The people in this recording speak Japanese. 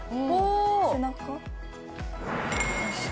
背中。